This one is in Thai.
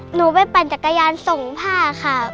หนูไปปั่นจักรยานส่งผ้าค่ะ